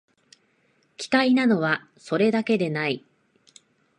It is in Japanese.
奇怪なのは、それだけでない